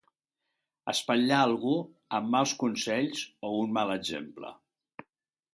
Espatllar algú amb mals consells o un mal exemple.